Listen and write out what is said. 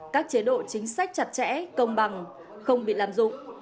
các chế độ chính sách chặt chẽ công bằng không bị lạm dụng